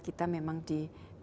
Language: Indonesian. kita memang di